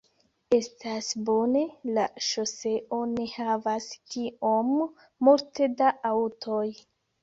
Estas bone, la ŝoseo ne havas tiom multe da aŭtoj